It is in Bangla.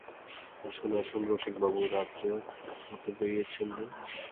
– আসুন আসুন রসিকবাবু, রাত্রে পথে বেরিয়েছেন যে?